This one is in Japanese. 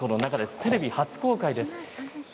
テレビ初公開です。